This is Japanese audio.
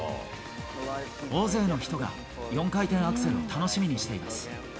大勢の人が４回転アクセルを楽しみにしています。